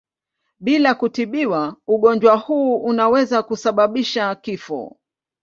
Bila kutibiwa ugonjwa huu unaweza kusababisha kifo.